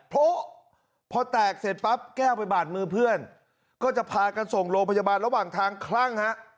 เพราะพอแตกเสร็จปั๊บแก้วไปบาดมือเพื่อนก็จะพากันส่งโรงพยาบาลระหว่างทางคลั่งฮะ